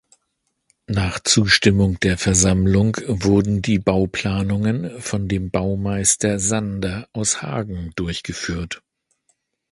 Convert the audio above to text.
Nach Zustimmung der Versammlung wurden die Bauplanungen von dem Baumeister Sander aus Hagen durchgeführt.